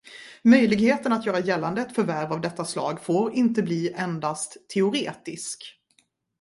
Möjligheten att göra gällande ett förvärv av detta slag får inte bli endast teoretisk.